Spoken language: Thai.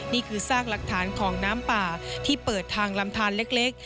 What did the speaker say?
นี่คือซากหลักฐานของน้ำป่าที่เปิดทางลำทานเล็ก